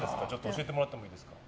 教えてもらってもいいですか。